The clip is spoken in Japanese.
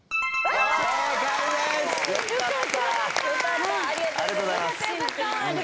ありがとうございます。